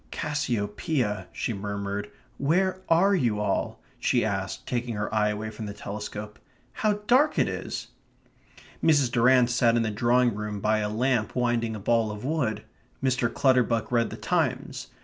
"Cassiopeia," she murmured. "Where are you all?" she asked, taking her eye away from the telescope. "How dark it is!" Mrs. Durrant sat in the drawing room by a lamp winding a ball of wool. Mr. Clutterbuck read the Times.